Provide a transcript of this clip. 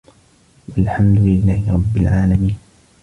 وَالحَمدُ لِلَّهِ رَبِّ العالَمينَ